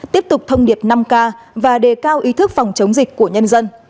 tiếp tục thông điệp năm k và đề cao ý thức phòng chống dịch của nhân dân